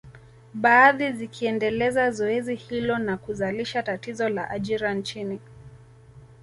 Baadhi zikiendeleza zoezi hilo na kuzalisha tatizo la ajira nchini